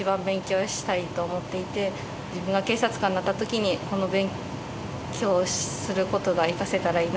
自分が警察官になったときにこの勉強をすることが生かせたらいいなと。